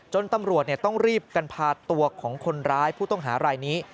ตำรวจต้องรีบกันพาตัวของคนร้ายผู้ต้องหารายนี้